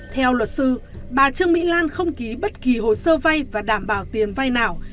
theo luật sư bà trương mỹ lan không ký bất kỳ hồ sơ vay và đảm bảo tiền vay nào